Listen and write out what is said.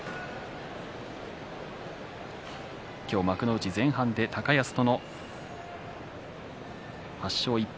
今日、幕内前半で高安と８勝１敗